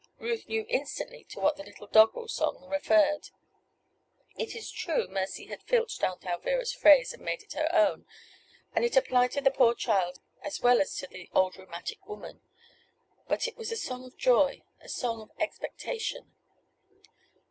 Ruth knew instantly to what the little doggerel song referred. It is true Mercy had filched Aunt Alvirah's phrase and made it her own and it applied to the poor child as well as to the rheumatic old woman. But it was a song of joy a song of expectation.